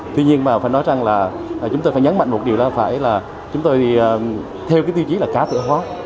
tuy nhiên mà phải nói rằng là chúng tôi phải nhấn mạnh một điều là phải là chúng tôi thì theo cái tiêu chí là cá tử hóa